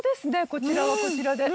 こちらはこちらで。